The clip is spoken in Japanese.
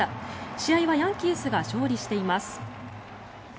試合はヤンキースが勝利しています。